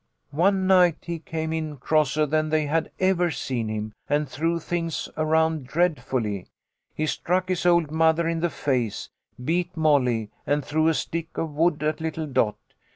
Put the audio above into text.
" One night he came in crosser than they had ever seen him, and threw things around dreadfully. He struck his old mother in the face, beat Molly, and threw a stick of wood at little Dot.